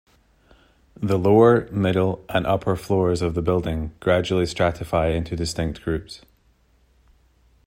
The lower, middle, and upper floors of the building gradually stratify into distinct groups.